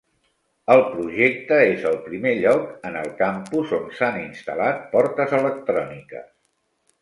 El projecte és el primer lloc en el campus on s'han instal·lat portes electròniques.